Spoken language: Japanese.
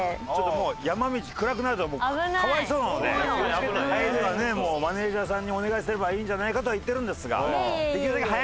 ちょっともう山道暗くなると可哀想なので帰りはもうマネージャーさんにお願いすればいいんじゃないかとは言ってるんですが。